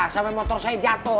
sampai motor saya jatuh